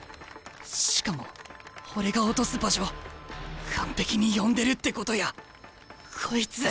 しかも俺が落とす場所完璧に読んでるってことやこいつ！